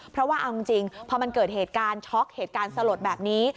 เพราะว่าเอาจริงพอมันเกิดเหตุการณ์ช็อกเหตุการณ์สลดแบบนี้